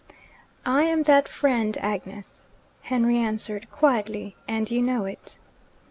'I am that friend, Agnes,' Henry answered quietly, 'and you know it.'